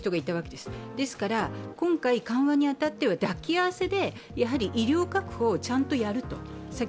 ですから今回緩和に当たっては抱き合わせで医療確保をちゃんとやると。